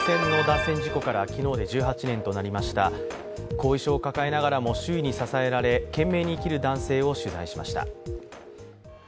後遺症を抱えながらも周囲に支えられ懸命に生きる男性を取材しました。